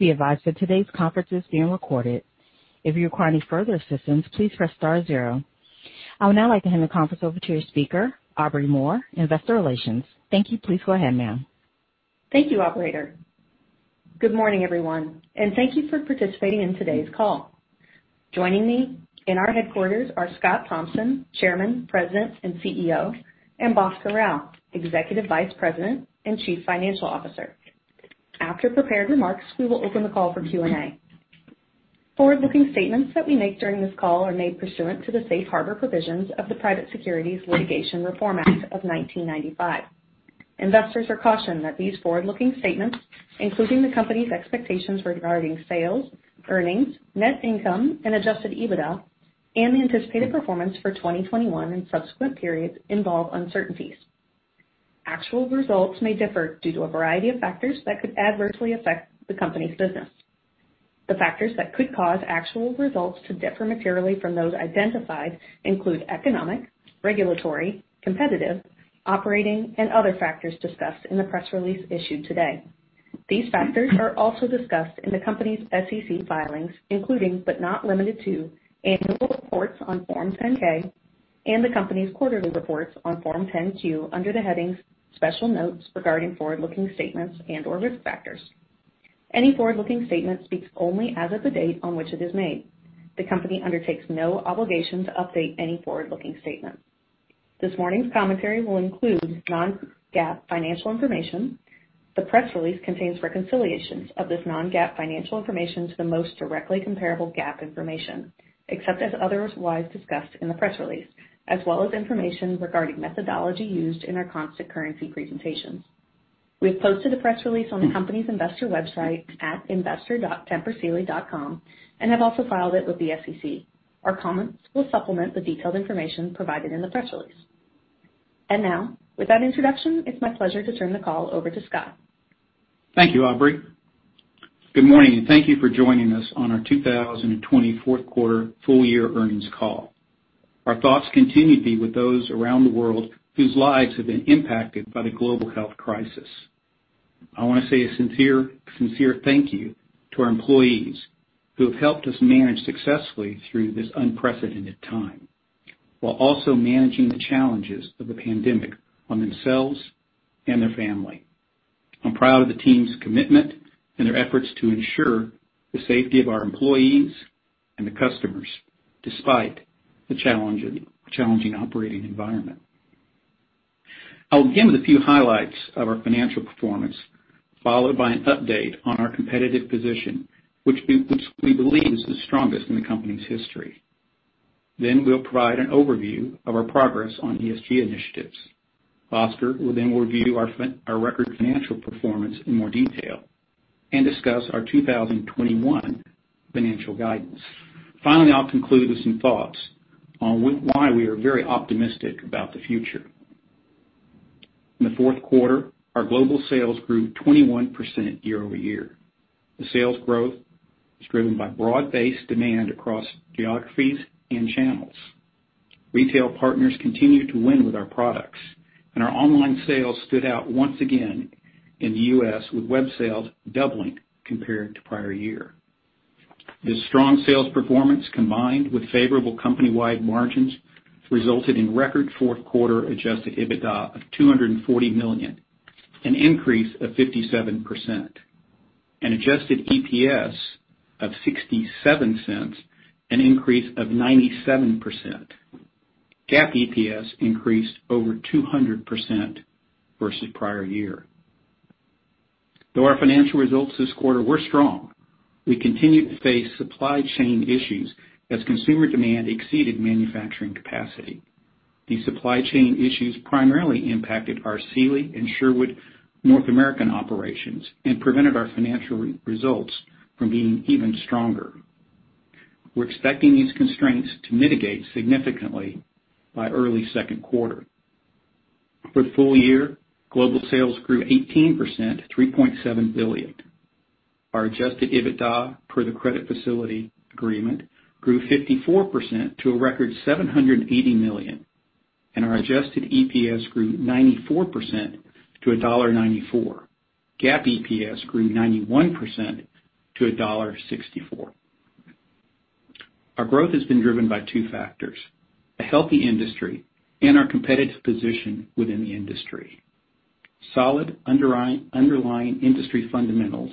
Please be advised that today's conference is being recorded. If you require any further assistance, please press star zero. I would now like to hand the conference over to your speaker, Aubrey Moore, Investor Relations. Thank you. Please go ahead, ma'am. Thank you, operator. Good morning, everyone, and thank you for participating in today's call. Joining me in our headquarters are Scott Thompson, Chairman, President, and CEO, and Bhaskar Rao, Executive Vice President and Chief Financial Officer. After prepared remarks, we will open the call for Q&A. Forward-looking statements that we make during this call are made pursuant to the safe harbor provisions of the Private Securities Litigation Reform Act of 1995. Investors are cautioned that these forward-looking statements, including the company's expectations regarding sales, earnings, net income, and adjusted EBITDA, and the anticipated performance for 2021 and subsequent periods involve uncertainties. Actual results may differ due to a variety of factors that could adversely affect the company's business. The factors that could cause actual results to differ materially from those identified include economic, regulatory, competitive, operating, and other factors discussed in the press release issued today. These factors are also discussed in the company's SEC filings, including, but not limited to annual reports on Form 10-K and the company's quarterly reports on Form 10-Q under the headings "Special Notes Regarding Forward-Looking Statements" and/or "Risk Factors." Any forward-looking statement speaks only as of the date on which it is made. The company undertakes no obligation to update any forward-looking statement. This morning's commentary will include non-GAAP financial information. The press release contains reconciliations of this non-GAAP financial information to the most directly comparable GAAP information, except as otherwise discussed in the press release, as well as information regarding methodology used in our constant currency presentations. We have posted a press release on the company's investor website at investor.tempursealy.com and have also filed it with the SEC. Our comments will supplement the detailed information provided in the press release. Now, with that introduction, it's my pleasure to turn the call over to Scott. Thank you, Aubrey. Good morning, thank you for joining us on our 2024 fourth quarter full year earnings call. Our thoughts continue to be with those around the world whose lives have been impacted by the global health crisis. I want to say a sincere thank you to our employees who have helped us manage successfully through this unprecedented time, while also managing the challenges of the pandemic on themselves and their family. I'm proud of the team's commitment and their efforts to ensure the safety of our employees and the customers despite the challenging operating environment. I'll begin with a few highlights of our financial performance, followed by an update on our competitive position, which we believe is the strongest in the company's history. We'll provide an overview of our progress on ESG initiatives. Bhaskar will review our record financial performance in more detail and discuss our 2021 financial guidance. I'll conclude with some thoughts on why we are very optimistic about the future. In the fourth quarter, our global sales grew 21% year-over-year. The sales growth was driven by broad-based demand across geographies and channels. Retail partners continued to win with our products, and our online sales stood out once again in the U.S., with web sales doubling compared to prior year. This strong sales performance, combined with favorable company-wide margins, resulted in record fourth quarter adjusted EBITDA of $240 million, an increase of 57%, and adjusted EPS of $0.67, an increase of 97%. GAAP EPS increased over 200% versus prior year. Though our financial results this quarter were strong, we continued to face supply chain issues as consumer demand exceeded manufacturing capacity. These supply chain issues primarily impacted our Sealy and Sherwood North American operations and prevented our financial results from being even stronger. We're expecting these constraints to mitigate significantly by early second quarter. For the full year, global sales grew 18% to $3.7 billion. Our adjusted EBITDA per the credit facility agreement grew 54% to a record $780 million, and our adjusted EPS grew 94% to $1.94. GAAP EPS grew 91% to $1.64. Our growth has been driven by two factors, a healthy industry and our competitive position within the industry. Solid underlying industry fundamentals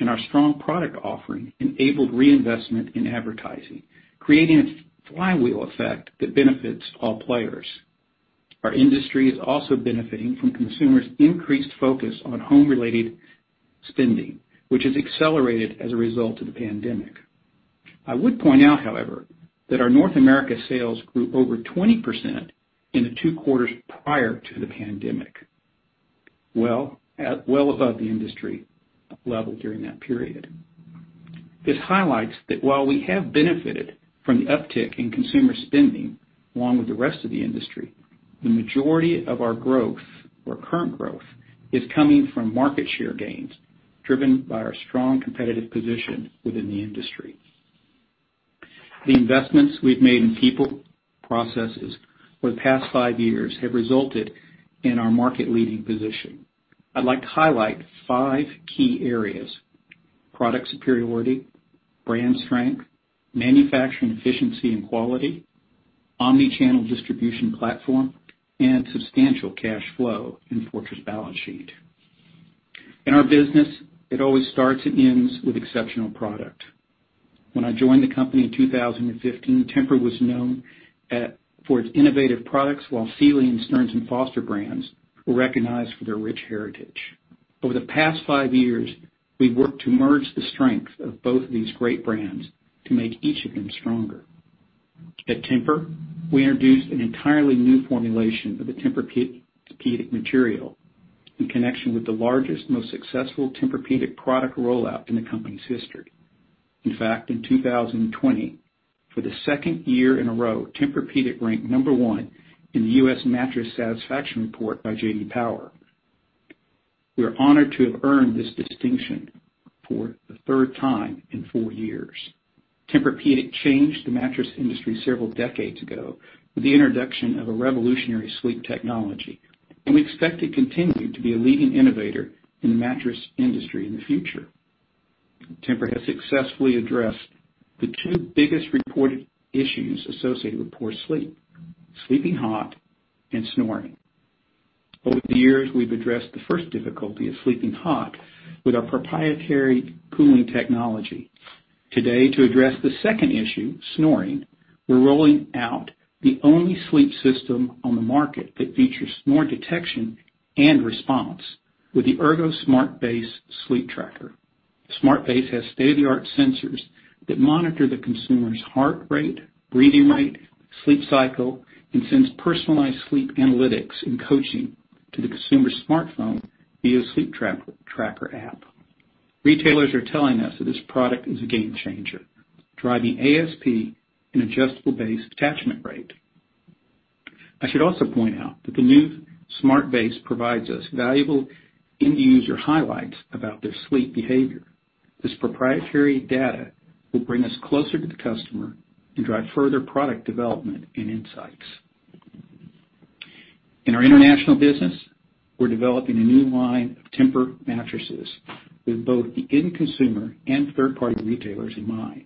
and our strong product offering enabled reinvestment in advertising, creating a flywheel effect that benefits all players. Our industry is also benefiting from consumers' increased focus on home-related spending, which has accelerated as a result of the pandemic. I would point out, however, that our North America sales grew over 20% in the two quarters prior to the pandemic, well, well above the industry level during that period. This highlights that while we have benefited from the uptick in consumer spending along with the rest of the industry, the majority of our growth or current growth is coming from market share gains driven by our strong competitive position within the industry. The investments we've made in people, processes over the past five years have resulted in our market-leading position. I'd like to highlight five key areas, product superiority, brand strength, manufacturing efficiency and quality, omni-channel distribution platform, and substantial cash flow in fortress balance sheet. In our business, it always starts and ends with exceptional product. When I joined the company in 2015, Tempur was known for its innovative products, while Sealy and Stearns & Foster brands were recognized for their rich heritage. Over the past five years, we've worked to merge the strength of both of these great brands to make each of them stronger. At Tempur, we introduced an entirely new formulation of the Tempur-Pedic material in connection with the largest, most successful Tempur-Pedic product rollout in the company's history. In fact, in 2020, for the second year in a row, Tempur-Pedic ranked number one in the U.S. Mattress Satisfaction Study by J.D. Power. We are honored to have earned this distinction for the third time in four years. Tempur-Pedic changed the mattress industry several decades ago with the introduction of a revolutionary sleep technology. We expect to continue to be a leading innovator in the mattress industry in the future. Tempur has successfully addressed the two biggest reported issues associated with poor sleep: sleeping hot and snoring. Over the years, we've addressed the first difficulty of sleeping hot with our proprietary cooling technology. Today, to address the second issue, snoring, we're rolling out the only sleep system on the market that features snore detection and response with the TEMPUR-Ergo Smart Base Sleeptracker. Smart Base has state-of-the-art sensors that monitor the consumer's heart rate, breathing rate, sleep cycle, and sends personalized sleep analytics and coaching to the consumer's smartphone via Sleeptracker app. Retailers are telling us that this product is a game changer, driving ASP and adjustable base attachment rate. I should also point out that the new Smart Base provides us valuable end-user highlights about their sleep behavior. This proprietary data will bring us closer to the customer and drive further product development and insights. In our international business, we're developing a new line of Tempur mattresses with both the end consumer and third-party retailers in mind.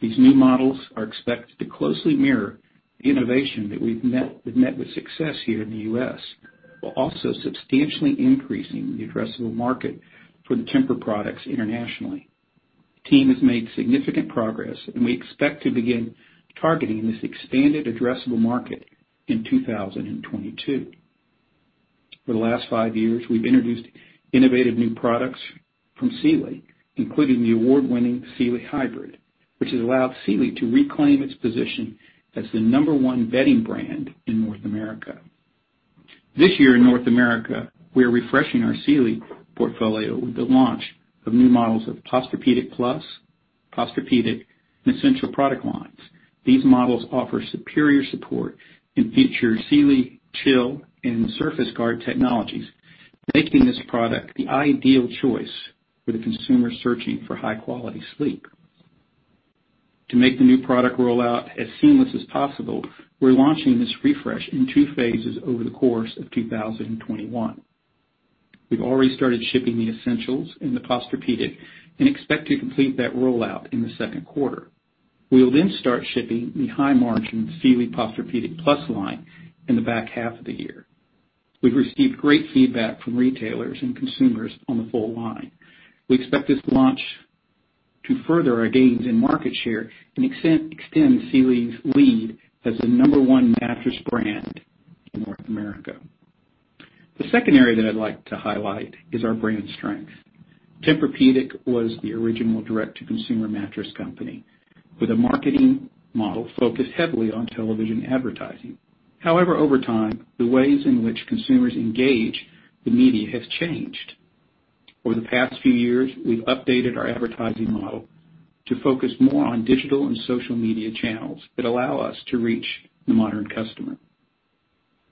These new models are expected to closely mirror the innovation that we've met with success here in the U.S., while also substantially increasing the addressable market for the Tempur products internationally. The team has made significant progress, we expect to begin targeting this expanded addressable market in 2022. For the last five years, we've introduced innovative new products from Sealy, including the award-winning Sealy Hybrid, which has allowed Sealy to reclaim its position as the number one bedding brand in North America. This year in North America, we are refreshing our Sealy portfolio with the launch of new models of Posturepedic Plus, Posturepedic, and Essential product lines. These models offer superior support and feature SealyChill and Surface-Guard technologies, making this product the ideal choice for the consumer searching for high-quality sleep. To make the new product rollout as seamless as possible, we're launching this refresh in two phases over the course of 2021. We've already started shipping the Essentials and the Posturepedic and expect to complete that rollout in the second quarter. We will then start shipping the high-margin Sealy Posturepedic Plus line in the back half of the year. We've received great feedback from retailers and consumers on the full line. We expect this launch to further our gains in market share and extend Sealy's lead as the number one mattress brand in North America. The second area that I'd like to highlight is our brand strength. Tempur-Pedic was the original direct-to-consumer mattress company with a marketing model focused heavily on television advertising. Over time, the ways in which consumers engage the media has changed. Over the past few years, we've updated our advertising model to focus more on digital and social media channels that allow us to reach the modern customer.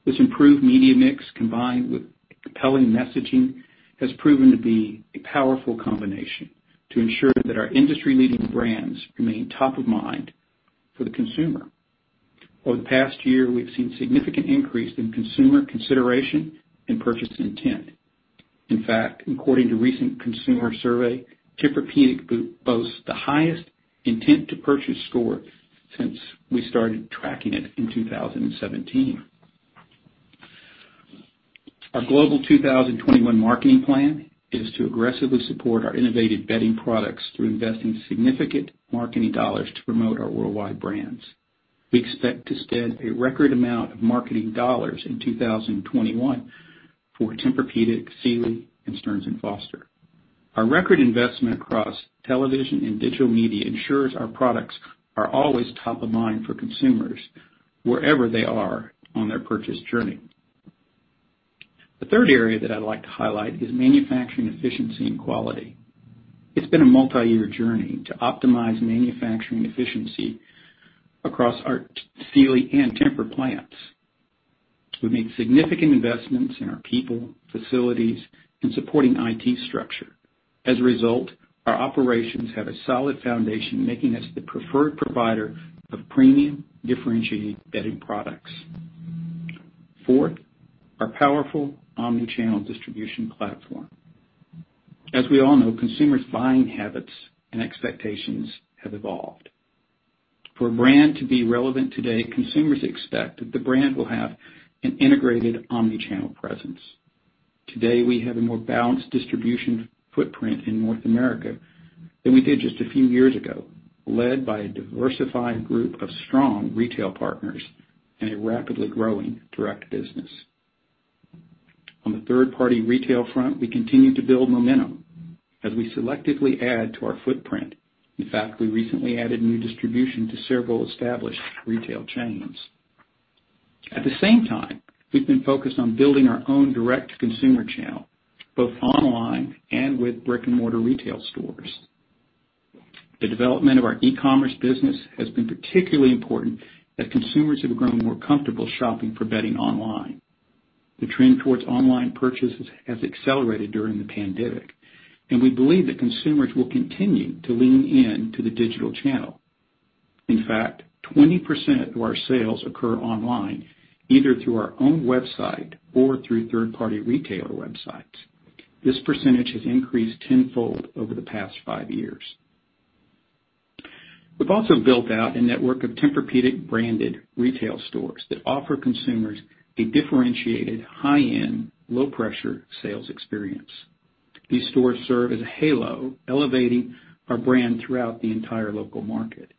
This improved media mix, combined with compelling messaging, has proven to be a powerful combination to ensure that our industry-leading brands remain top of mind for the consumer. Over the past year, we've seen significant increase in consumer consideration and purchase intent. According to a recent consumer survey, Tempur-Pedic boasts the highest intent to purchase score since we started tracking it in 2017. Our global 2021 marketing plan is to aggressively support our innovative bedding products through investing significant marketing dollars to promote our worldwide brands. We expect to spend a record amount of marketing dollars in 2021 for Tempur-Pedic, Sealy, and Stearns & Foster. Our record investment across television and digital media ensures our products are always top of mind for consumers wherever they are on their purchase journey. The third area that I'd like to highlight is manufacturing efficiency and quality. It's been a multi-year journey to optimize manufacturing efficiency across our Sealy and Tempur plants. We made significant investments in our people, facilities, and supporting IT structure. As a result, our operations have a solid foundation, making us the preferred provider of premium differentiated bedding products. Fourth, our powerful omni-channel distribution platform. As we all know, consumers' buying habits and expectations have evolved. For a brand to be relevant today, consumers expect that the brand will have an integrated omni-channel presence. Today, we have a more balanced distribution footprint in North America than we did just a few years ago, led by a diversified group of strong retail partners and a rapidly growing direct business. On the third-party retail front, we continue to build momentum as we selectively add to our footprint. In fact, we recently added new distribution to several established retail chains. At the same time, we've been focused on building our own direct-to-consumer channel, both online and with brick-and-mortar retail stores. The development of our e-commerce business has been particularly important as consumers have grown more comfortable shopping for bedding online. The trend towards online purchases has accelerated during the pandemic, and we believe that consumers will continue to lean in to the digital channel. In fact, 20% of our sales occur online, either through our own website or through third-party retailer websites. This percentage has increased tenfold over the past five years. We've also built out a network of Tempur-Pedic-branded retail stores that offer consumers a differentiated high-end, low-pressure sales experience. These stores serve as a halo, elevating our brand throughout the entire local market.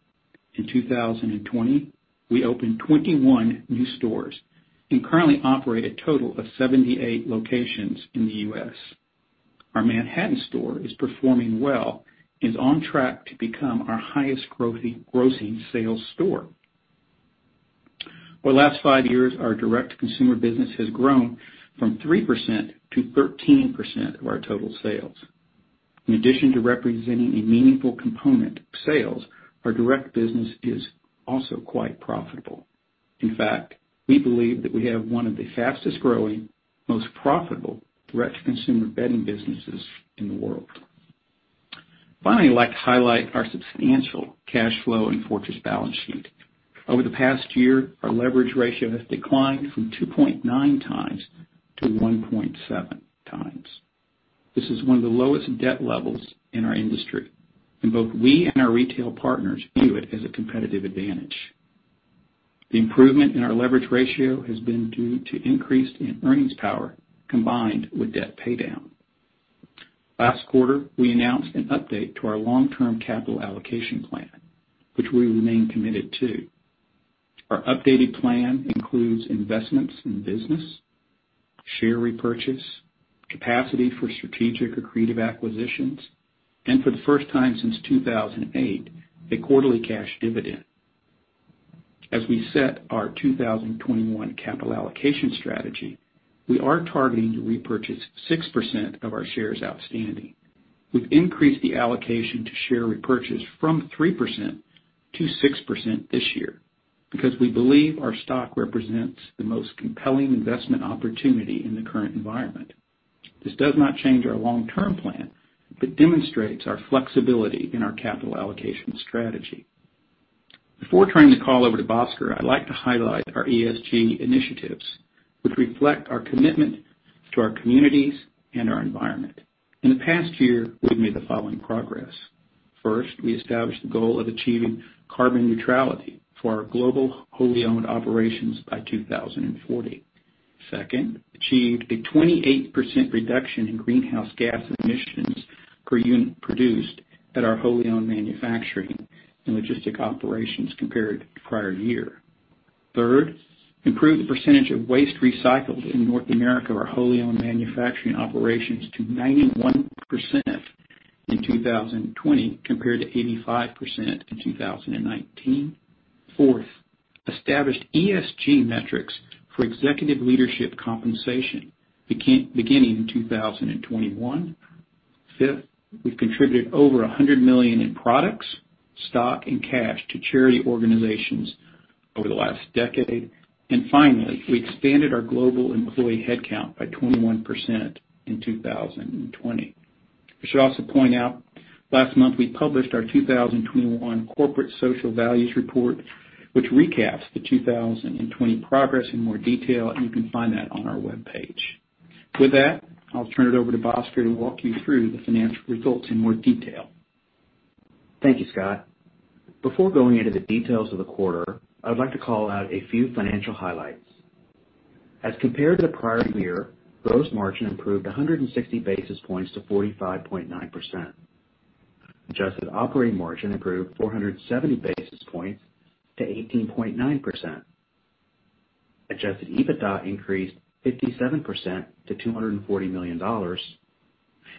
In 2020, we opened 21 new stores and currently operate a total of 78 locations in the U.S. Our Manhattan store is performing well and is on track to become our highest grossing sales store. Over the last five years, our direct-to-consumer business has grown from 3%-13% of our total sales. In addition to representing a meaningful component of sales, our direct business is also quite profitable. In fact, we believe that we have one of the fastest-growing, most profitable direct-to-consumer bedding businesses in the world. Finally, I'd like to highlight our substantial cash flow and fortress balance sheet. Over the past year, our leverage ratio has declined from 2.9 times to 1.7 times. This is one of the lowest debt levels in our industry, and both we and our retail partners view it as a competitive advantage. The improvement in our leverage ratio has been due to increase in earnings power combined with debt paydown. Last quarter, we announced an update to our long-term capital allocation plan, which we remain committed to. Our updated plan includes investments in business, share repurchase, capacity for strategic accretive acquisitions, and for the first time since 2008, a quarterly cash dividend. As we set our 2021 capital allocation strategy, we are targeting to repurchase 6% of our shares outstanding. We've increased the allocation to share repurchase from 3% to 6% this year because we believe our stock represents the most compelling investment opportunity in the current environment. This does not change our long-term plan, but demonstrates our flexibility in our capital allocation strategy. Before turning the call over to Bhaskar, I'd like to highlight our ESG initiatives, which reflect our commitment to our communities and our environment. In the past year, we've made the following progress. First, we established the goal of achieving carbon neutrality for our global wholly-owned operations by 2040. Second, achieved a 28% reduction in greenhouse gas emissions per unit produced at our wholly owned manufacturing and logistic operations compared to prior year. Third, improved the percentage of waste recycled in North America, our wholly owned manufacturing operations, to 91% in 2020, compared to 85% in 2019. Fourth, established ESG metrics for executive leadership compensation beginning in 2021. Fifth, we've contributed over $100 million in products, stock, and cash to charity organizations over the last decade. Finally, we expanded our global employee headcount by 21% in 2020. We should also point out last month we published our 2021 Corporate Social Values Report, which recaps the 2020 progress in more detail, and you can find that on our webpage. With that, I'll turn it over to Bhaskar to walk you through the financial results in more detail. Thank you, Scott. Before going into the details of the quarter, I would like to call out a few financial highlights. As compared to the prior year, gross margin improved 160 basis points to 45.9%. Adjusted operating margin improved 470 basis points to 18.9%. Adjusted EBITDA increased 57% to $240 million.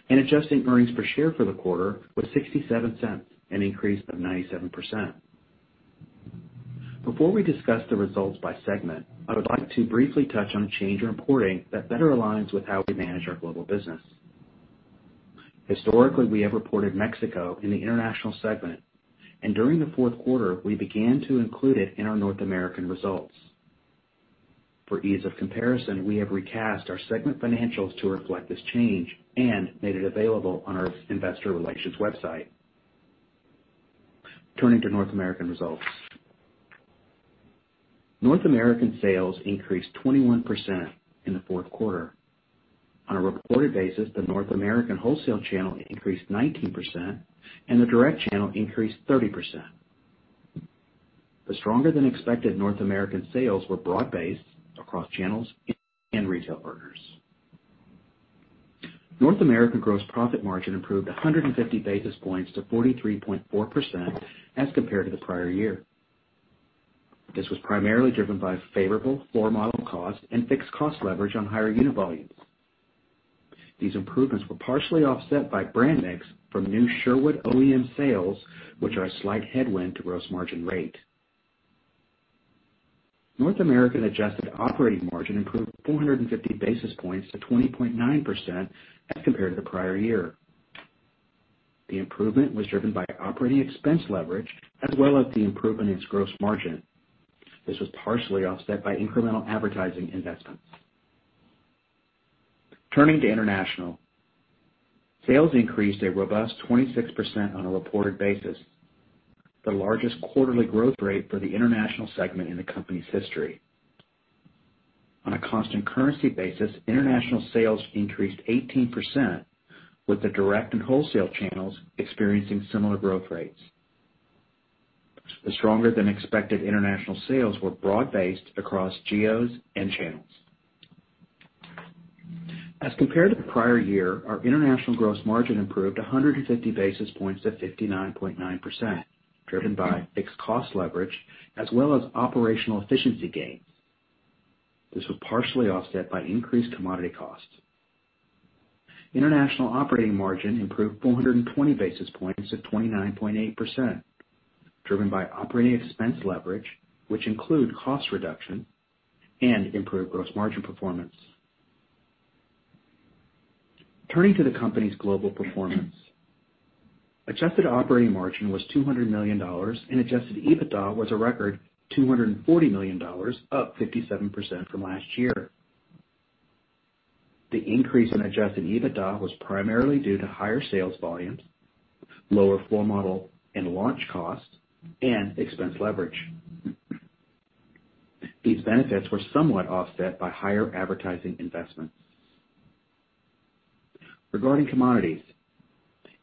Adjusted earnings per share for the quarter was $0.67, an increase of 97%. Before we discuss the results by segment, I would like to briefly touch on a change in reporting that better aligns with how we manage our global business. Historically, we have reported Mexico in the international segment, and during the fourth quarter, we began to include it in our North American results. For ease of comparison, we have recast our segment financials to reflect this change and made it available on our investor relations website. Turning to North American results. North American sales increased 21% in the fourth quarter. On a reported basis, the North American wholesale channel increased 19% and the direct channel increased 30%. The stronger than expected North American sales were broad-based across channels and retail partners. North American gross profit margin improved 150 basis points to 43.4% as compared to the prior year. This was primarily driven by favorable floor model cost and fixed cost leverage on higher unit volumes. These improvements were partially offset by brand mix from new Sherwood OEM sales, which are a slight headwind to gross margin rate. North American adjusted operating margin improved 450 basis points to 20.9% as compared to the prior year. The improvement was driven by operating expense leverage as well as the improvement in its gross margin. This was partially offset by incremental advertising investments. Turning to international. Sales increased a robust 26% on a reported basis, the largest quarterly growth rate for the international segment in the company's history. On a constant currency basis, international sales increased 18% with the direct and wholesale channels experiencing similar growth rates. The stronger than expected international sales were broad-based across geos and channels. As compared to the prior year, our international gross margin improved 150 basis points to 59.9%, driven by fixed cost leverage as well as operational efficiency gains. This was partially offset by increased commodity costs. International operating margin improved 420 basis points to 29.8%, driven by operating expense leverage, which include cost reduction and improved gross margin performance. Turning to the company's global performance. Adjusted EBITDA was $200 million and Adjusted EBITDA was a record $240 million, up 57% from last year. The increase in Adjusted EBITDA was primarily due to higher sales volumes, lower floor model and launch costs, and expense leverage. These benefits were somewhat offset by higher advertising investments. Regarding commodities.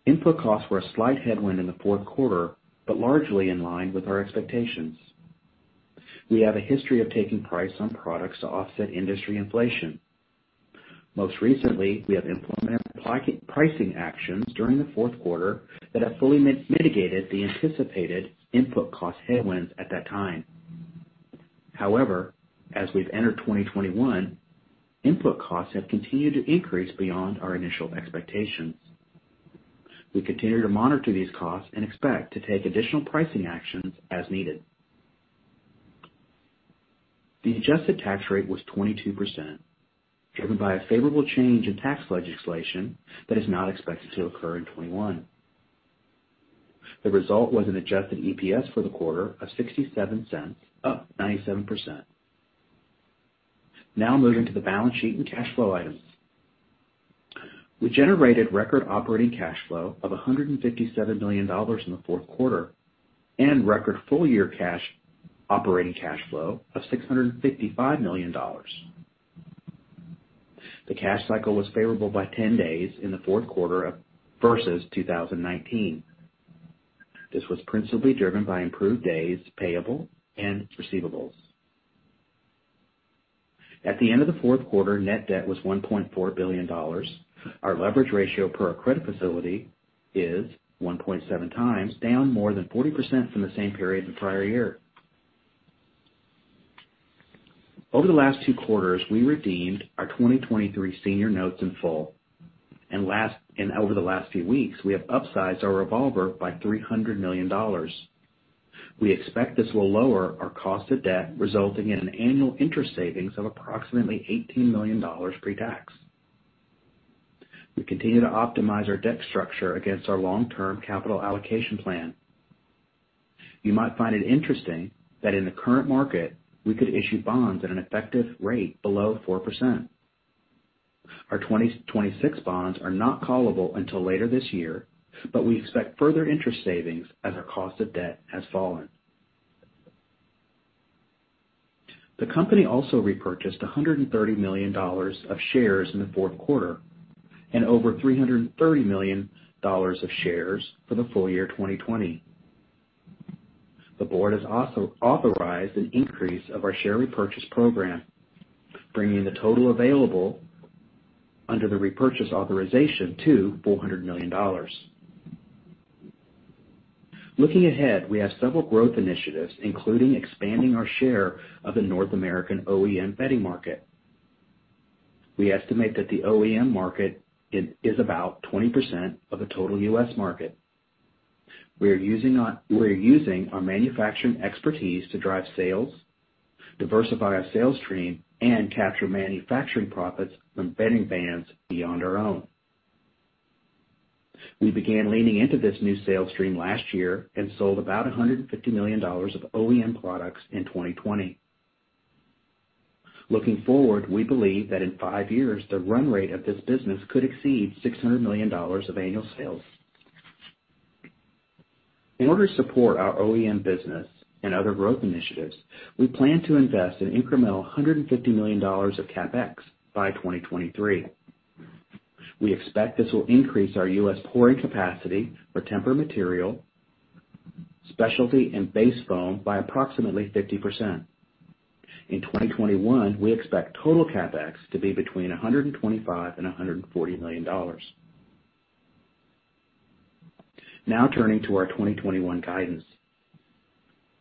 Input costs were a slight headwind in the fourth quarter, largely in line with our expectations. We have a history of taking price on products to offset industry inflation. Most recently, we have implemented pricing actions during the fourth quarter that have fully mitigated the anticipated input cost headwinds at that time. As we've entered 2021, input costs have continued to increase beyond our initial expectations. We continue to monitor these costs and expect to take additional pricing actions as needed. The adjusted tax rate was 22%, driven by a favorable change in tax legislation that is not expected to occur in 2021. The result was an adjusted EPS for the quarter of $0.67, up 97%. Moving to the balance sheet and cash flow items. We generated record operating cash flow of $157 million in the fourth quarter and record full year operating cash flow of $655 million. The cash cycle was favorable by 10 days in the fourth quarter versus 2019. This was principally driven by improved days payable and receivables. At the end of the fourth quarter, net debt was $1.4 billion. Our leverage ratio per our credit facility is 1.7 times, down more than 40% from the same period the prior year. Over the last two quarters, we redeemed our 2023 senior notes in full. Over the last few weeks, we have upsized our revolver by $300 million. We expect this will lower our cost of debt, resulting in an annual interest savings of approximately $18 million pre-tax. We continue to optimize our debt structure against our long-term capital allocation plan. You might find it interesting that in the current market, we could issue bonds at an effective rate below 4%. Our 2026 bonds are not callable until later this year, but we expect further interest savings as our cost of debt has fallen. The company also repurchased $130 million of shares in the fourth quarter and over $330 million of shares for the full year 2020. The board has also authorized an increase of our share repurchase program, bringing the total available under the repurchase authorization to $400 million. Looking ahead, we have several growth initiatives, including expanding our share of the North American OEM bedding market. We estimate that the OEM market is about 20% of the total U.S. market. We are using our manufacturing expertise to drive sales, diversify our sales stream, and capture manufacturing profits from bedding brands beyond our own. We began leaning into this new sales stream last year and sold about $150 million of OEM products in 2020. Looking forward, we believe that in five years, the run rate of this business could exceed $600 million of annual sales. In order to support our OEM business and other growth initiatives, we plan to invest an incremental $150 million of CapEx by 2023. We expect this will increase our U.S. pouring capacity for Tempur material, specialty, and base foam by approximately 50%. In 2021, we expect total CapEx to be between $125 million and $140 million. Turning to our 2021 guidance.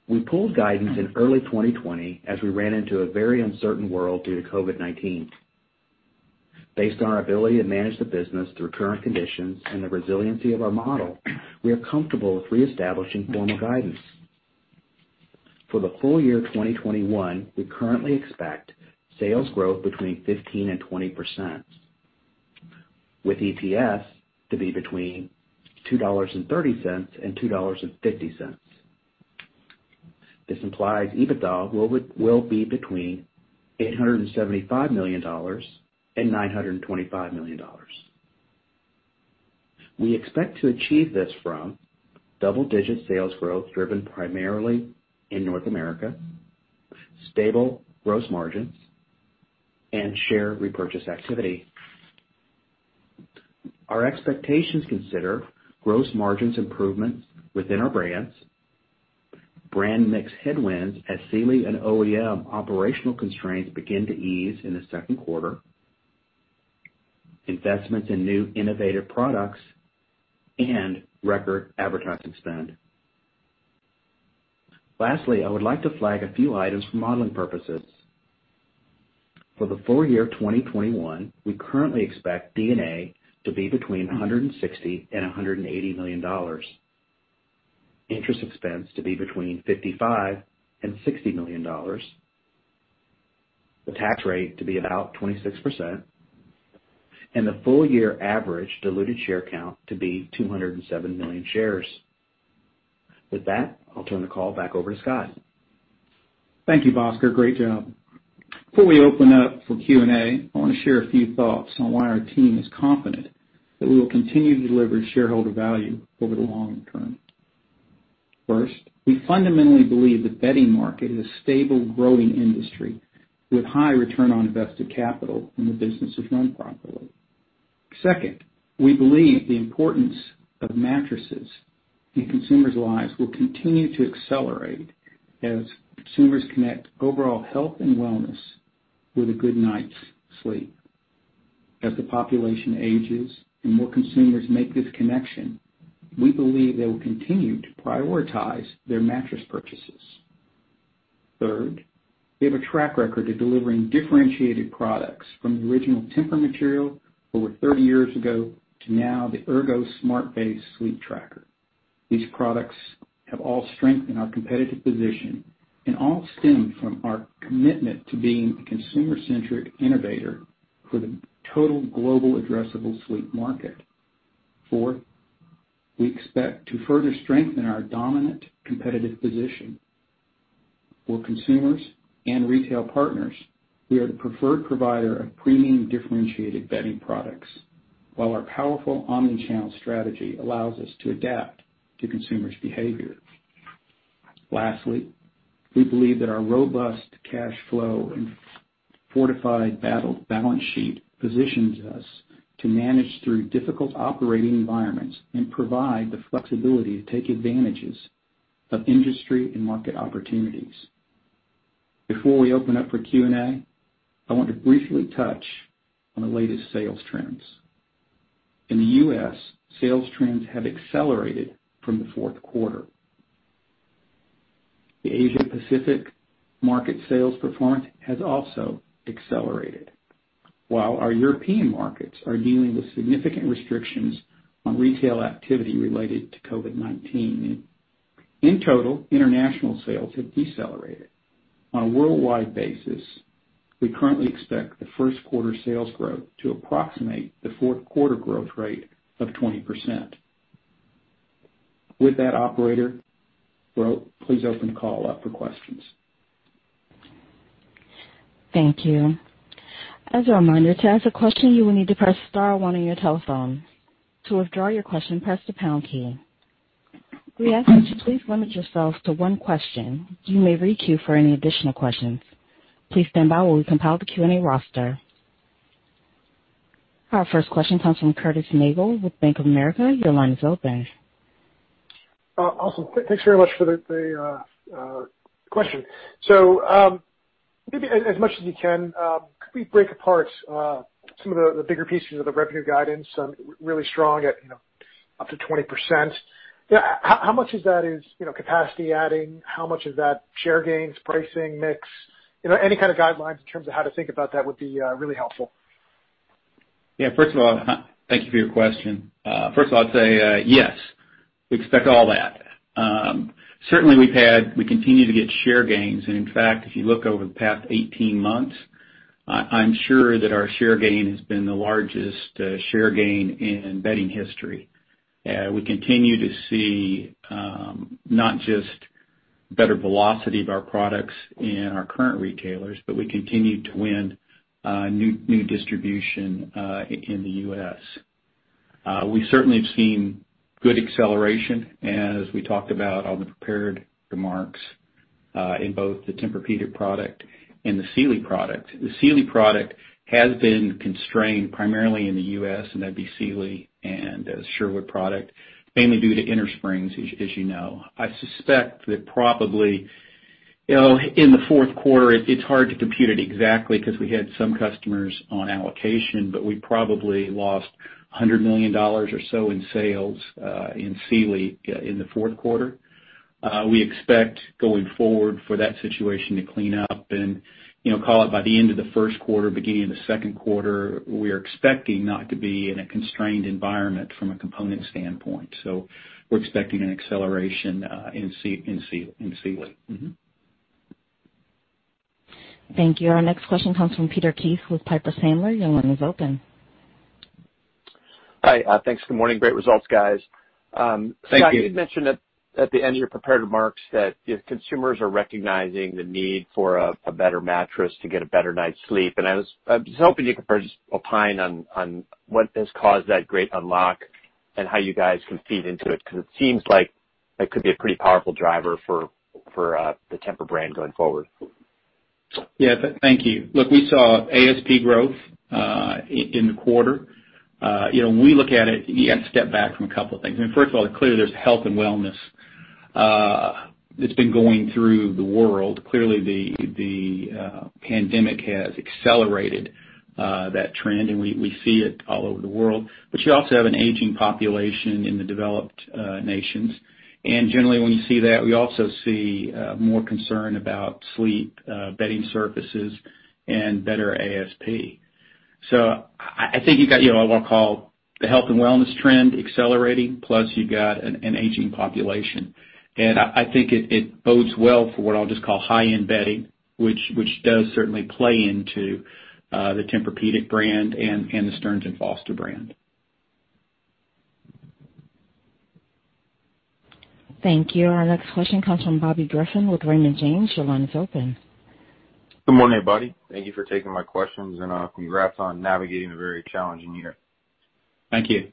We pulled guidance in early 2020 as we ran into a very uncertain world due to COVID-19. Based on our ability to manage the business through current conditions and the resiliency of our model, we are comfortable with reestablishing formal guidance. For the full year 2021, we currently expect sales growth between 15% and 20%, with EPS to be between $2.30 and $2.50. This implies EBITDA will be between $875 million and $925 million. We expect to achieve this from double-digit sales growth driven primarily in North America, stable gross margins, and share repurchase activity. Our expectations consider gross margins improvements within our brands, brand mix headwinds as Sealy and OEM operational constraints begin to ease in the second quarter, investments in new innovative products, and record advertising spend. I would like to flag a few items for modeling purposes. For the full year 2021, we currently expect D&A to be between $160 million and $180 million, interest expense to be between $55 million and $60 million, the tax rate to be about 26%, and the full year average diluted share count to be 207 million shares. With that, I'll turn the call back over to Scott. Thank you, Bhaskar. Great job. Before we open up for Q&A, I wanna share a few thoughts on why our team is confident that we will continue to deliver shareholder value over the long term. First, we fundamentally believe the bedding market is a stable, growing industry with high return on invested capital when the business is run properly. Second, we believe the importance of mattresses in consumers' lives will continue to accelerate as consumers connect overall health and wellness with a good night's sleep. As the population ages and more consumers make this connection, we believe they will continue to prioritize their mattress purchases. Third, we have a track record of delivering differentiated products from the original Tempur material over 30 years ago to now the TEMPUR-Ergo Smart Base Sleeptracker app. These products have all strengthened our competitive position and all stem from our commitment to being a consumer-centric innovator for the total global addressable sleep market. Fourth, we expect to further strengthen our dominant competitive position. For consumers and retail partners, we are the preferred provider of premium differentiated bedding products, while our powerful omni-channel strategy allows us to adapt to consumers' behavior. Lastly, we believe that our robust cash flow and fortified balance sheet positions us to manage through difficult operating environments and provide the flexibility to take advantages of industry and market opportunities. Before we open up for Q&A, I want to briefly touch on the latest sales trends. In the U.S., sales trends have accelerated from the fourth quarter. The Asia Pacific market sales performance has also accelerated, while our European markets are dealing with significant restrictions on retail activity related to COVID-19. In total, international sales have decelerated. On a worldwide basis, we currently expect the first quarter sales growth to approximate the fourth quarter growth rate of 20%. With that, operator, please open the call up for questions. Thank you. Our first question comes from Curtis Nagle with Bank of America. Your line is open. Awesome. Thanks very much for the question. Maybe as much as you can, could we break apart some of the bigger pieces of the revenue guidance? Really strong at, you know, up to 20%. You know, how much of that is, you know, capacity adding? How much of that share gains, pricing, mix? You know, any kind of guidelines in terms of how to think about that would be really helpful. Yeah, first of all, thank you for your question. First of all, I'd say, yes, we expect all that. Certainly, we continue to get share gains. In fact, if you look over the past 18 months, I'm sure that our share gain has been the largest share gain in bedding history. We continue to see not just better velocity of our products in our current retailers, but we continue to win new distribution in the U.S. We certainly have seen good acceleration, and as we talked about on the prepared remarks, in both the Tempur-Pedic product and the Sealy product. The Sealy product has been constrained primarily in the U.S., and that'd be Sealy and the Sherwood product, mainly due to innersprings, as you know. I suspect that probably, you know, in the fourth quarter it's hard to compute it exactly because we had some customers on allocation, but we probably lost $100 million or so in sales in Sealy in the fourth quarter. We expect going forward for that situation to clean up and, you know, call it by the end of the first quarter, beginning of the second quarter, we're expecting not to be in a constrained environment from a component standpoint. We're expecting an acceleration in Sealy. Thank you. Our next question comes from Peter Keith with Piper Sandler. Your line is open. Hi. Thanks. Good morning. Great results, guys. Thank you. Scott, you'd mentioned at the end of your prepared remarks that consumers are recognizing the need for a better mattress to get a better night's sleep. I was hoping you could first opine on what has caused that great unlock and how you guys can feed into it, because it seems like that could be a pretty powerful driver for the Tempur brand going forward. Yeah, thank you. Look, we saw ASP growth in the quarter. You know, when we look at it, you have to step back from a couple of things. I mean, first of all, clearly there's health and wellness that's been going through the world. Clearly, the pandemic has accelerated that trend and we see it all over the world. You also have an aging population in the developed nations. Generally, when you see that, we also see more concern about sleep, bedding surfaces and better ASP. I think you've got, you know, what I'll call the health and wellness trend accelerating, plus you've got an aging population. I think it bodes well for what I'll just call high-end bedding, which does certainly play into the Tempur-Pedic brand and the Stearns & Foster brand. Thank you. Our next question comes from Bobby Griffin with Raymond James. Your line is open. Good morning, everybody. Thank you for taking my questions, and congrats on navigating a very challenging year. Thank you.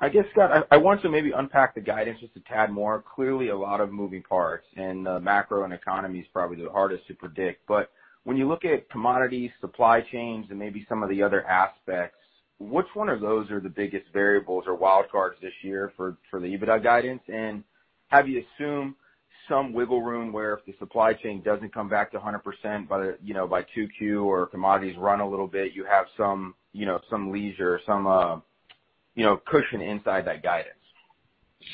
I guess, Scott, I want to maybe unpack the guidance just a tad more. Clearly a lot of moving parts. Macro and economy is probably the hardest to predict. When you look at commodities, supply chains, and maybe some of the other aspects, which one of those are the biggest variables or wild cards this year for the EBITDA guidance? Have you assumed some wiggle room where if the supply chain doesn't come back to 100% by 2Q or commodities run a little bit, you have some leisure, some cushion inside that guidance?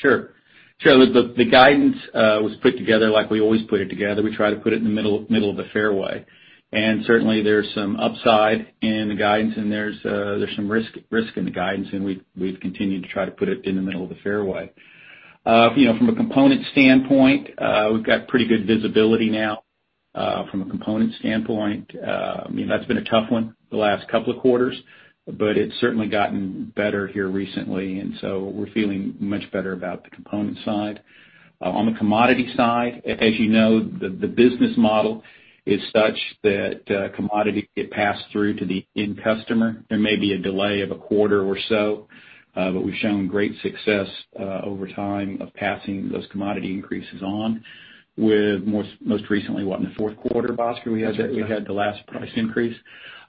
Sure. Sure. The guidance was put together like we always put it together. We try to put it in the middle of the fairway. Certainly there's some upside in the guidance, and there's some risk in the guidance, and we've continued to try to put it in the middle of the fairway. You know, from a component standpoint, we've got pretty good visibility now from a component standpoint. I mean, that's been a tough one the last couple of quarters, but it's certainly gotten better here recently, and so we're feeling much better about the component side. On the commodity side, as you know, the business model is such that commodity get passed through to the end customer. There may be a delay of a quarter or so. We've shown great success over time of passing those commodity increases on with most recently, what, in the fourth quarter, Bhaskar. Yeah. We had the last price increase.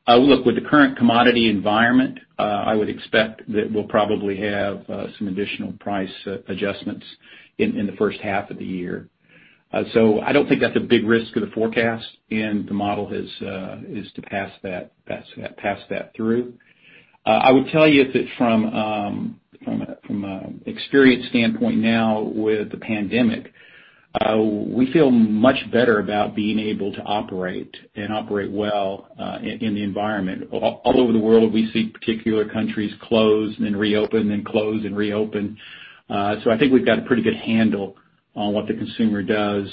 Look, with the current commodity environment, I would expect that we'll probably have some additional price adjustments in the first half of the year. I don't think that's a big risk to the forecast and the model is to pass that through. I would tell you that from an experience standpoint now with the pandemic, we feel much better about being able to operate and operate well in the environment. All over the world, we see particular countries close, then reopen, then close and reopen. I think we've got a pretty good handle on what the consumer does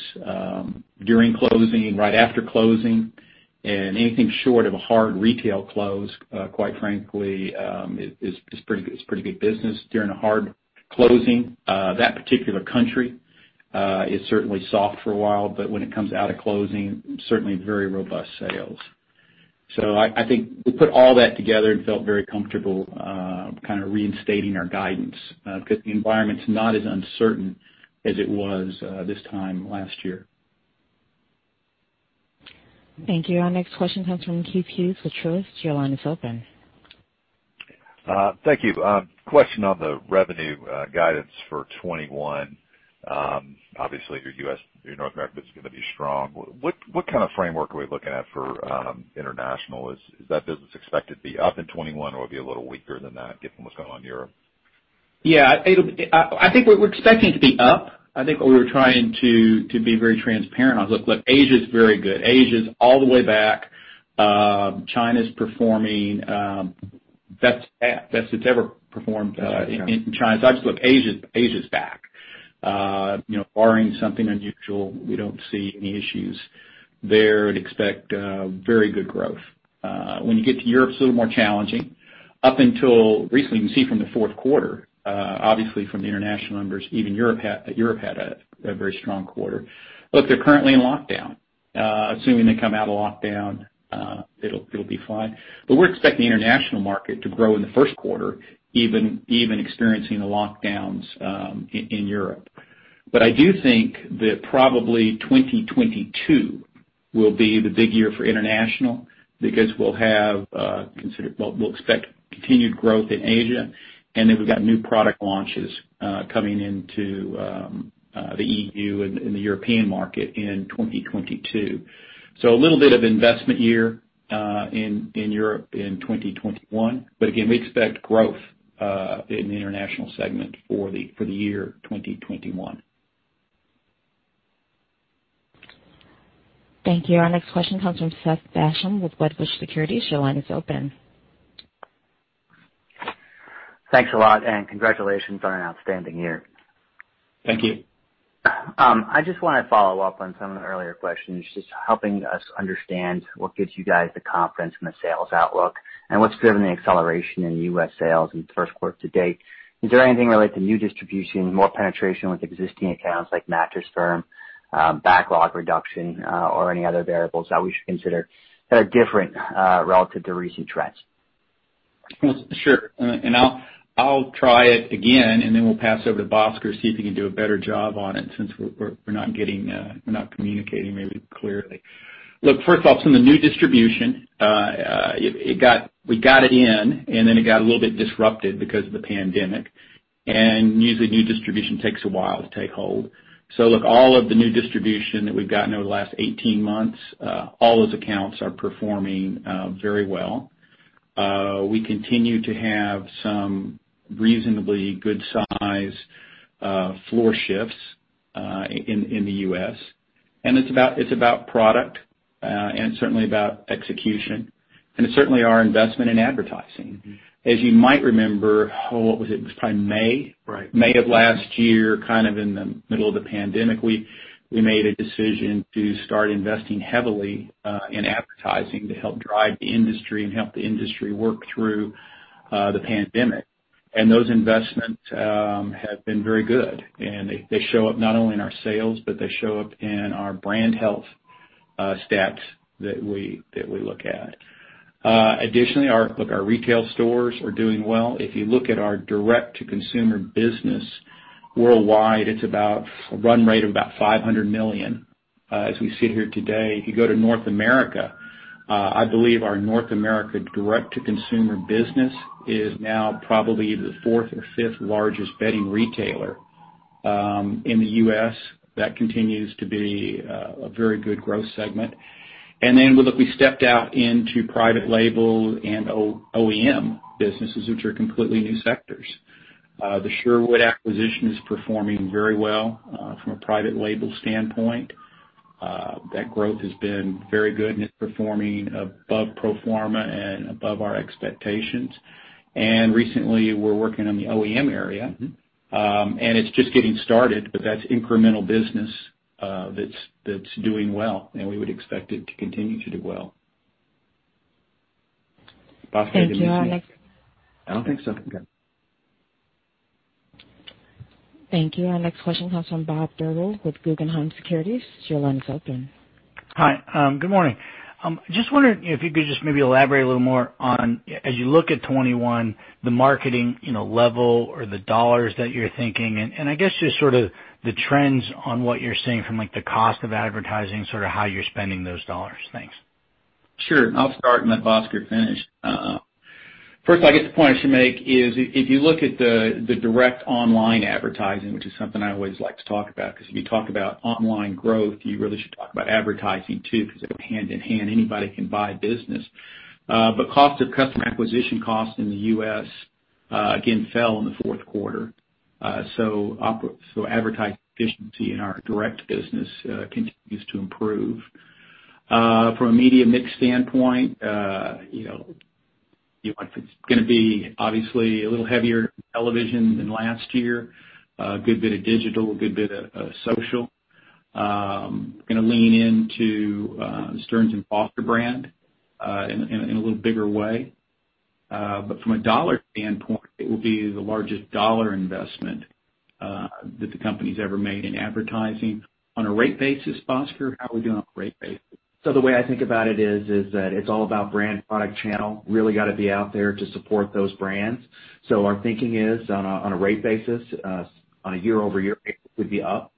during closing, right after closing, and anything short of a hard retail close, quite frankly, is pretty good, it's pretty good business during a hard closing. That particular country is certainly soft for a while, but when it comes out of closing, certainly very robust sales. I think we put all that together and felt very comfortable kind of reinstating our guidance because the environment's not as uncertain as it was this time last year. Thank you. Our next question comes from Keith Hughes with Truist. Your line is open. Thank you. Question on the revenue guidance for 2021. Obviously your U.S., your North America is gonna be strong. What kind of framework are we looking at for international? Is that business expected to be up in 2021 or be a little weaker than that given what's going on in Europe? Yeah, I think we're expecting it to be up. I think what we were trying to be very transparent on. Look, Asia is very good. Asia is all the way back. China's performing best it's ever performed in China. Actually look, Asia's back. You know, barring something unusual, we don't see any issues there and expect very good growth. When you get to Europe, it's a little more challenging. Up until recently, you can see from the fourth quarter, obviously from the international numbers, even Europe had a very strong quarter. Look, they're currently in lockdown. Assuming they come out of lockdown, it'll be fine. We're expecting the international market to grow in the first quarter, even experiencing the lockdowns in Europe. I do think that probably 2022 will be the big year for international because we'll have, Well, we'll expect continued growth in Asia, and then we've got new product launches coming into the EU and the European market in 2022. A little bit of investment year in Europe in 2021. Again, we expect growth in the international segment for the year 2021. Thank you. Our next question comes from Seth Basham with Wedbush Securities. Your line is open. Thanks a lot, and congratulations on an outstanding year. Thank you. I just wanna follow up on some of the earlier questions, just helping us understand what gives you guys the confidence in the sales outlook and what's driven the acceleration in U.S. sales in the first quarter to date. Is there anything related to new distribution, more penetration with existing accounts like Mattress Firm, backlog reduction, or any other variables that we should consider that are different relative to recent trends? Sure. I'll try it again, and then we'll pass over to Bhaskar, see if he can do a better job on it since we're not getting, we're not communicating maybe clearly. Look, first off, some of the new distribution, we got it in, and then it got a little bit disrupted because of the pandemic. Usually, new distribution takes a while to take hold. Look, all of the new distribution that we've gotten over the last 18 months, all those accounts are performing very well. We continue to have some reasonably good size floor shifts in the U.S. It's about product, and certainly about execution, and it's certainly our investment in advertising. As you might remember, what was it? It was probably May. Right. May of last year, kind of in the middle of the pandemic, we made a decision to start investing heavily in advertising to help drive the industry and help the industry work through the pandemic. Those investments have been very good, and they show up not only in our sales, but they show up in our brand health stats that we look at. Additionally, Look, our retail stores are doing well. If you look at our direct-to-consumer business worldwide, it's about a run rate of about $500 million as we sit here today. If you go to North America, I believe our North America direct-to-consumer business is now probably the fourth or fifth largest bedding retailer in the U.S. That continues to be a very good growth segment. Then look, we stepped out into private label and OEM businesses, which are completely new sectors. The Sherwood acquisition is performing very well from a private label standpoint. That growth has been very good, and it's performing above pro forma and above our expectations. Recently, we're working on the OEM area. It's just getting started, but that's incremental business that's doing well, and we would expect it to continue to do well. Bhaskar, anything to add? Thank you. I don't think so. I'm good. Thank you. Our next question comes from Bob Drbul with Guggenheim Securities. Your line is open. Hi. good morning. Just wondering if you could just maybe elaborate a little more on, as you look at 2021, the marketing, you know, level or the dollars that you're thinking, I guess just sort of the trends on what you're seeing from, like, the cost of advertising, sort of how you're spending those dollars? Thanks. Sure. I'll start and let Bhaskar finish. First, I guess the point I should make is if you look at the direct online advertising, which is something I always like to talk about, because if you talk about online growth, you really should talk about advertising too, because they go hand in hand. Anybody can buy business. Cost of customer acquisition costs in the U.S. again, fell in the fourth quarter. Advertising efficiency in our direct business continues to improve. From a media mix standpoint, you know, it's gonna be obviously a little heavier television than last year, a good bit of digital, a good bit of social. Gonna lean into the Stearns & Foster brand in a little bigger way. From a dollar standpoint, it will be the largest dollar investment that the company's ever made in advertising. On a rate basis, Bhaskar, how are we doing on a rate basis? The way I think about it is that it's all about brand product channel. Really gotta be out there to support those brands. Our thinking is on a, on a rate basis, on a year-over-year basis, we'd be up.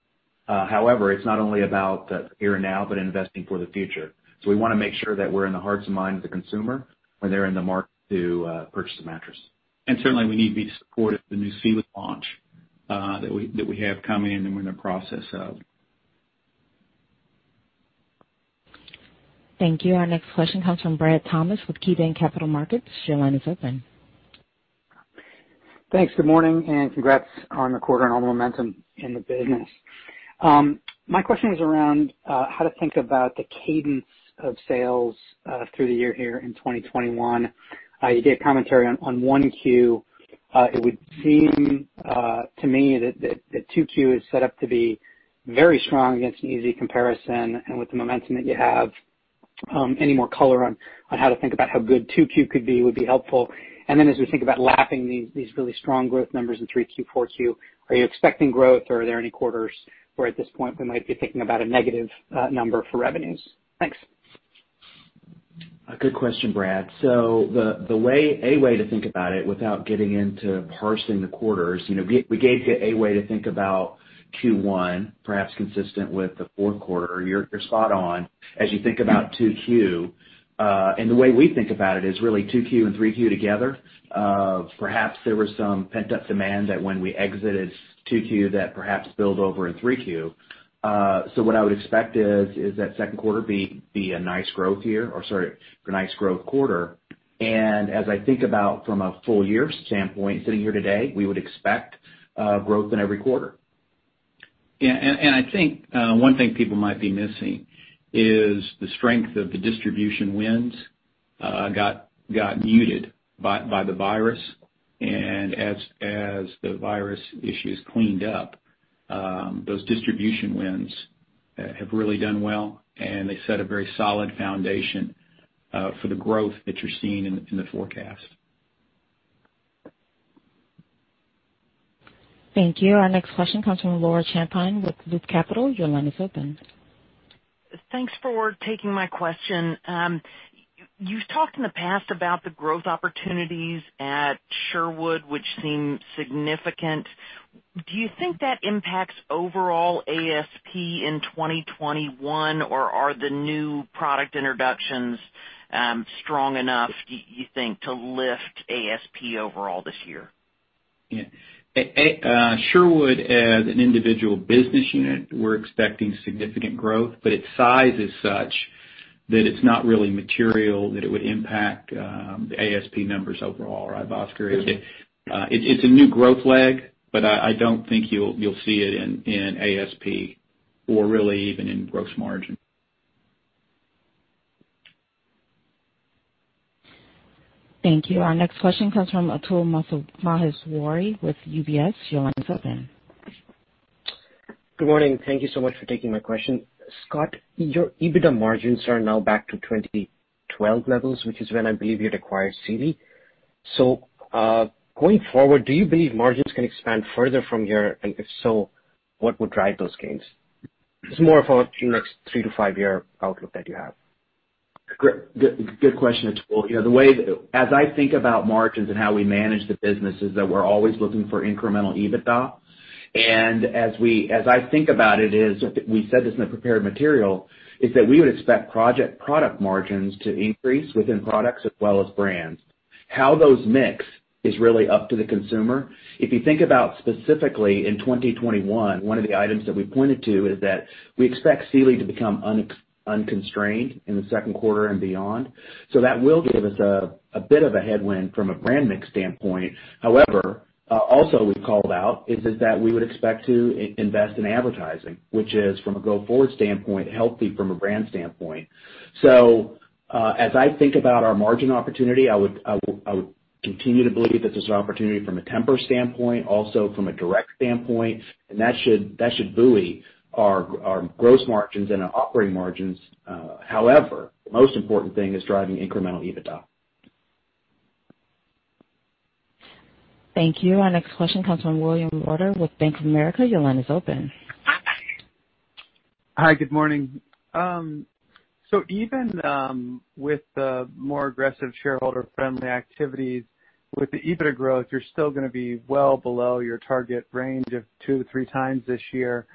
However, it's not only about the here and now, but investing for the future. We wanna make sure that we're in the hearts and minds of the consumer when they're in the market to purchase a mattress. Certainly, we need to be supportive of the new Sealy launch that we have coming and we're in the process of. Thank you. Our next question comes from Bradley Thomas with KeyBanc Capital Markets. Thanks. Good morning, congrats on the quarter and all the momentum in the business. My question is around how to think about the cadence of sales through the year here in 2021. You gave commentary on 1Q. It would seem to me that 2Q is set up to be very strong against an easy comparison and with the momentum that you have. Any more color on how to think about how good 2Q could be would be helpful. As we think about lapping these really strong growth numbers in 3Q, 4Q, are you expecting growth, or are there any quarters where at this point we might be thinking about a negative number for revenues? Thanks. A good question, Brad. The way to think about it without getting into parsing the quarters, you know, we gave you a way to think about Q1, perhaps consistent with Q4. You're spot on. As you think about 2Q, and the way we think about it is really 2Q and 3Q together. Perhaps there was some pent-up demand that when we exited 2Q that perhaps build over in 3Q. What I would expect is that Q2 be a nice growth year, or sorry, a nice growth quarter. As I think about from a full year standpoint, sitting here today, we would expect growth in every quarter. Yeah, and I think one thing people might be missing is the strength of the distribution winds got muted by the virus. As the virus issue is cleaned up, those distribution winds have really done well, and they set a very solid foundation for the growth that you're seeing in the forecast. Thank you. Our next question comes from Laura Champine with Loop Capital. Your line is open. Thanks for taking my question. You've talked in the past about the growth opportunities at Sherwood, which seem significant. Do you think that impacts overall ASP in 2021, or are the new product introductions strong enough, do you think, to lift ASP overall this year? Yeah. Sherwood as an individual business unit, we're expecting significant growth, but its size is such that it's not really material that it would impact the ASP numbers overall, right, Bhaskar? It's a new growth leg, but I don't think you'll see it in ASP or really even in gross margin. Thank you. Our next question comes from Atul Maheswari with UBS. Your line is open. Good morning. Thank you so much for taking my question. Scott, your EBITDA margins are now back to 2012 levels, which is when I believe you had acquired Sealy. Going forward, do you believe margins can expand further from here? If so, what would drive those gains? It's more of a next three to five-year outlook that you have. Good, good question, Atul. You know, as I think about margins and how we manage the business is that we're always looking for incremental EBITDA. As I think about it is, we said this in the prepared material, is that we would expect product margins to increase within products as well as brands. How those mix is really up to the consumer. If you think about specifically in 2021, one of the items that we pointed to is that we expect Sealy to become unconstrained in the 2Q and beyond. That will give us a bit of a headwind from a brand mix standpoint. However, also we've called out is that we would expect to invest in advertising, which is from a go-forward standpoint, healthy from a brand standpoint. As I think about our margin opportunity, I would continue to believe that there's an opportunity from a Tempur standpoint, also from a direct standpoint, and that should buoy our gross margins and our operating margins. However, the most important thing is driving incremental EBITDA. Thank you. Our next question comes from William Reuter with Bank of America. Your line is open. Hi, good morning. Even with the more aggressive shareholder-friendly activities, with the EBITDA growth, you're still gonna be well below your target range of two to three times this year.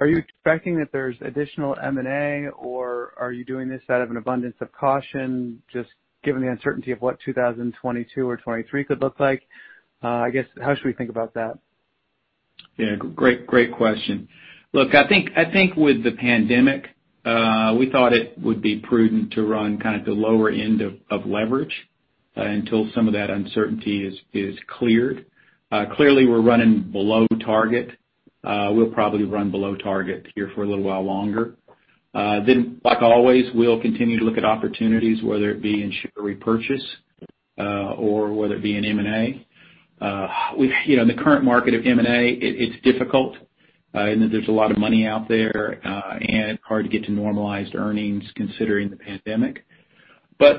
Are you expecting that there's additional M&A, or are you doing this out of an abundance of caution, just given the uncertainty of what 2022 or 2023 could look like? I guess, how should we think about that? Great question. I think with the COVID-19 pandemic, we thought it would be prudent to run kind of the lower end of leverage until some of that uncertainty is cleared. Clearly, we're running below target. We'll probably run below target here for a little while longer. Like always, we'll continue to look at opportunities, whether it be in share repurchase or whether it be in M&A. You know, in the current market of M&A, it's difficult in that there's a lot of money out there and hard to get to normalized earnings considering the COVID-19 pandemic.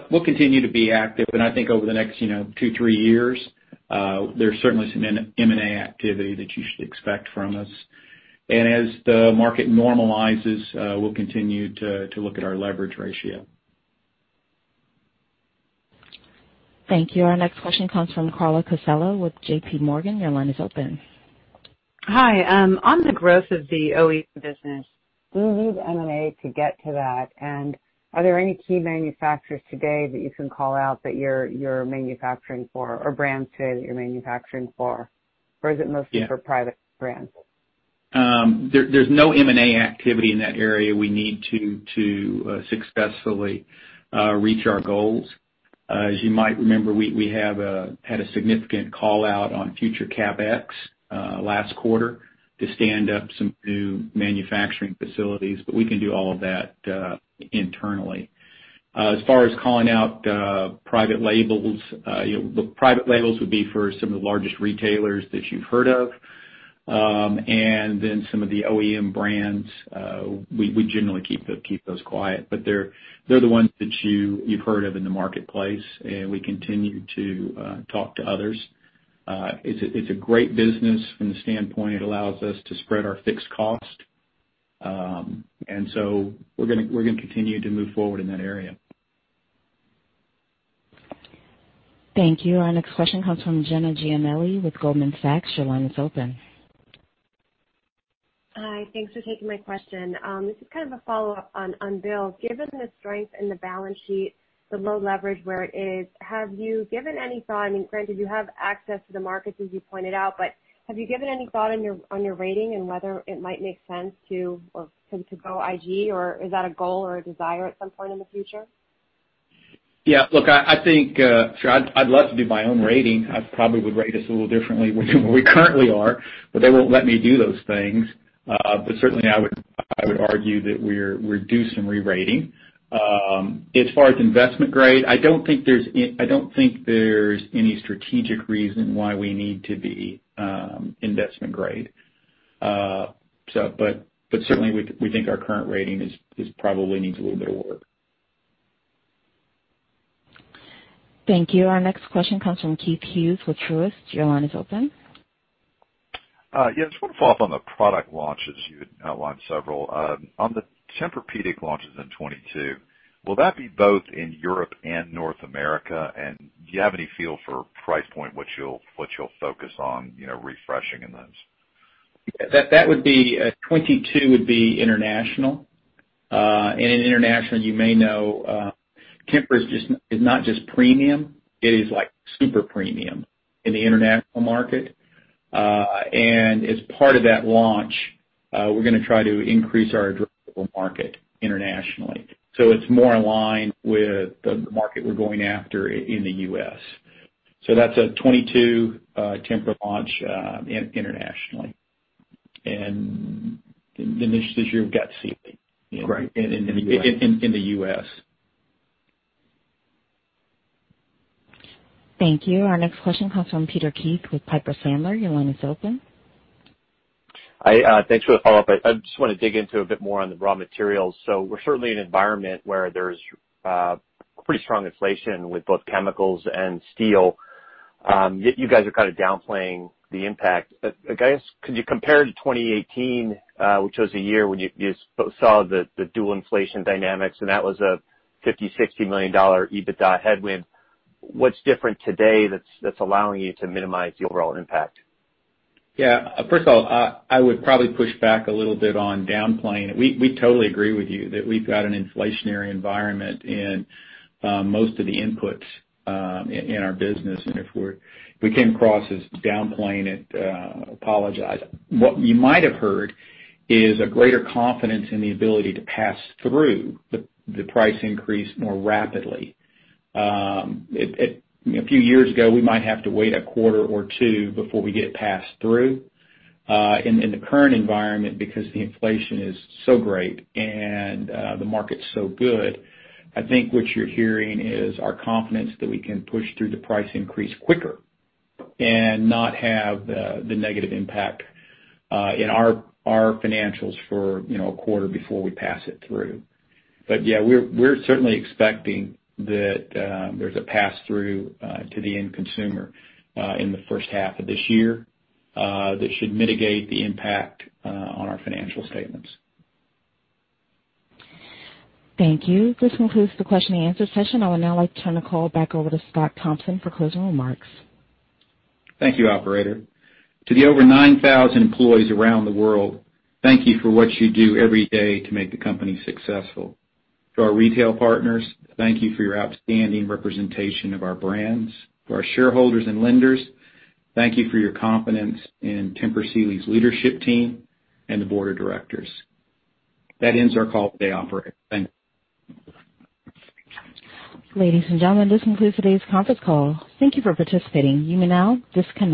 We'll continue to be active, and I think over the next, you know, two to three years, there's certainly some M&A activity that you should expect from us. As the market normalizes, we'll continue to look at our leverage ratio. Thank you. Our next question comes from Carla Casella with JPMorgan. Your line is open. Hi. On the growth of the OE business, do you need M&A to get to that? Are there any key manufacturers today that you can call out that you're manufacturing for or brands today that you're manufacturing for? Is it mostly? Yeah for private brands? There's no M&A activity in that area we need to successfully reach our goals. As you might remember, we had a significant call-out on future CapEx last quarter to stand up some new manufacturing facilities, but we can do all of that internally. As far as calling out private labels, you know, the private labels would be for some of the largest retailers that you've heard of. Then some of the OEM brands, we generally keep those quiet. They're the ones that you've heard of in the marketplace, and we continue to talk to others. It's a great business from the standpoint it allows us to spread our fixed cost. We're gonna continue to move forward in that area. Thank you. Our next question comes from Jenna Giannelli with Goldman Sachs. Your line is open. Hi. Thanks for taking my question. This is kind of a follow-up on Bill. Given the strength in the balance sheet, the low leverage where it is, have you given any thought I mean, granted you have access to the markets as you pointed out, but have you given any thought on your rating and whether it might make sense to go IG or is that a goal or a desire at some point in the future? Look, I think, sure I'd love to do my own rating. I probably would rate us a little differently than where we currently are, but they won't let me do those things. Certainly I would argue that we're due some re-rating. As far as investment grade, I don't think there's any strategic reason why we need to be investment grade. Certainly we think our current rating is probably needs a little bit of work. Thank you. Our next question comes from Keith Hughes with Truist. Your line is open. Yeah, just wanna follow up on the product launches. You outlined several. On the Tempur-Pedic launches in 2022, will that be both in Europe and North America? Do you have any feel for price point, what you'll focus on, you know, refreshing in those? Yeah. That would be 2022 would be international. In international you may know, Tempur is not just premium, it is like super premium in the international market. As part of that launch, we're gonna try to increase our addressable market internationally. It's more aligned with the market we're going after in the U.S. That's a 2022 Tempur launch internationally. In this year, we've got Sealy. Right In the US. Thank you. Our next question comes from Peter Keith with Piper Sandler. Your line is open. Thanks for the follow-up. I just want to dig into a bit more on the raw materials. We're certainly in an environment where there's pretty strong inflation with both chemicals and steel. Yet you guys are kind of downplaying the impact. I guess could you compare to 2018, which was a year when you saw the dual inflation dynamics, and that was a $50 million-$60 million EBITDA headwind. What's different today that's allowing you to minimize the overall impact? Yeah. First of all, I would probably push back a little bit on downplaying. We totally agree with you that we've got an inflationary environment in most of the inputs in our business. If we came across as downplaying it, apologize. What you might have heard is a greater confidence in the ability to pass through the price increase more rapidly. You know, a few years ago, we might have to wait a quarter or two before we get it passed through. In the current environment because the inflation is so great and the market's so good, I think what you're hearing is our confidence that we can push through the price increase quicker and not have the negative impact in our financials for, you know, a quarter before we pass it through. Yeah, we're certainly expecting that there's a pass-through to the end consumer in the first half of this year. That should mitigate the impact on our financial statements. Thank you. This concludes the question and answer session. I would now like to turn the call back over to Scott Thompson for closing remarks. Thank you, operator. To the over 9,000 employees around the world, thank you for what you do every day to make the company successful. To our retail partners, thank you for your outstanding representation of our brands. To our shareholders and lenders, thank you for your confidence in Tempur Sealy's leadership team and the board of directors. That ends our call today, operator. Thank you. Ladies and gentlemen, this concludes today's conference call. Thank you for participating. You may now disconnect.